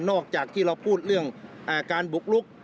จากที่เราพูดเรื่องการบุกลุก